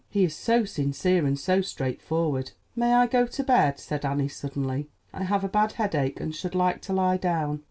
He is so sincere and so straightforward." "May I go to bed?" said Annie suddenly. "I have a bad headache, and should like to lie down."